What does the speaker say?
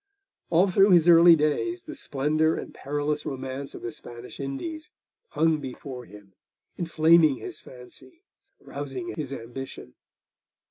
All through his early days the splendour and perilous romance of the Spanish Indies hung before him, inflaming his fancy, rousing his ambition.